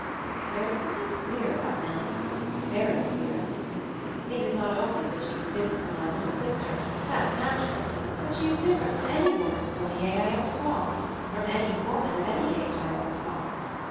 There is something queer about Nellie — very queer. It is not only that she is differ ent from my little sister — that's natural ; but she is different from any woman of forty eight I ever saw — from any woman of any age I ever saw.